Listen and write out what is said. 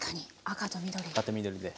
赤と緑で。